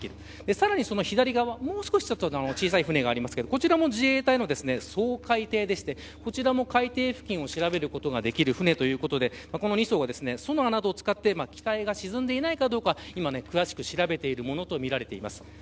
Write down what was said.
さらに左側に小さい船がありますがこちらも自衛隊の掃海艇でこちらも海底を調べることができる船ということでこの２頭が機体が沈んでいないかどうか詳しく調べているものとみられています。